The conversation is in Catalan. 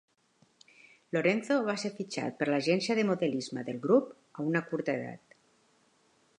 Lorenzo va ser fitxat per l'agència de modelisme del Grup a una curta edat.